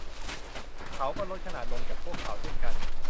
เขาก็ลดขนาดลงจากพวกเขาเช่นกัน